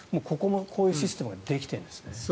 こういうシステムができてるんですね。